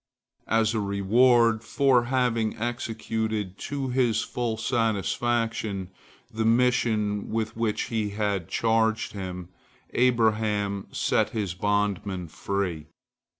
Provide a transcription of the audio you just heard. As a reward for having executed to his full satisfaction the mission with which he had charged him, Abraham set his bondman free.